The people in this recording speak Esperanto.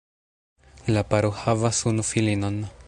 La paro havas unu filinon.